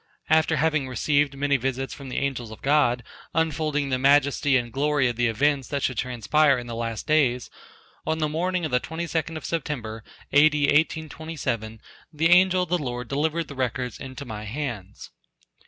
After having received many visits from the angels of God unfolding the majesty and glory of the events that should transpire in the last days, on the morning of the 22d of September, A.D. 1827, the angel of the Lord delivered the records into my hands.